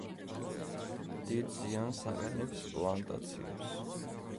დიდ ზიანს აყენებს პლანტაციებს.